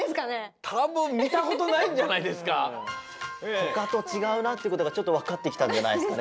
ほかとちがうなってことがちょっとわかってきたんじゃないですかね